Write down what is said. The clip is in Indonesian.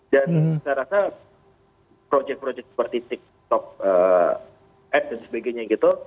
dan kita rasa proyek proyek seperti tiktok ad dan sebagainya gitu